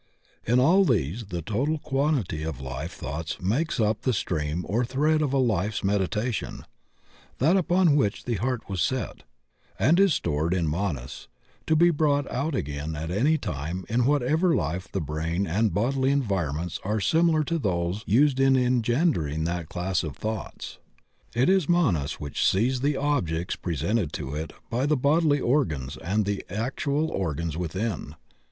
In all these the total quantity of life thoughts makes up the stream or thread of a life's meditation — "that upon which the heart was set" — and is stored in Manas, to be brought out again at any time in what ever life the brain and bodily environments are similar to those used in engendering that class of thoughts. It is Manas which sees the objects presented to it by the bodily organs and the actual organs within.